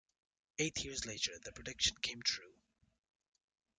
Eight years later the prediction came true.